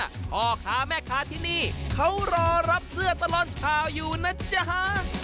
พ่อค้าแม่ค้าที่นี่เขารอรับเสื้อตลอดข่าวอยู่นะจ๊ะ